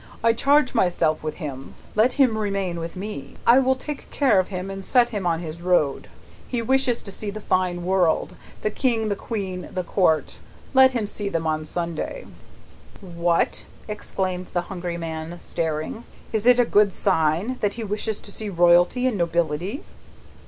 I charge myself with him; let him remain with me; I will take care of him, and set him on his road. He wishes to see the fine world the King, the Queen, and Court; let him see them on Sunday." "What?" exclaimed the hungry man, staring. "Is it a good sign, that he wishes to see Royalty and Nobility?"